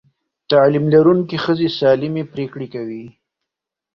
تعلیم لرونکې ښځې سالمې پرېکړې کوي.